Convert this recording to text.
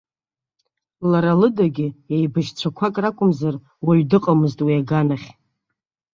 Лара лыдагьы, еибашьцәақәак ракәымхар, уаҩ дыҟамызт уи аган ахь.